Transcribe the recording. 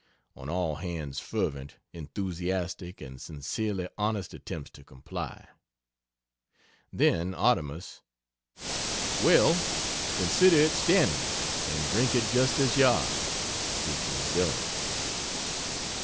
(On all hands fervent, enthusiastic, and sincerely honest attempts to comply.) Then Artemus: "Well consider it stanning, and drink it just as ye are!" Which was done.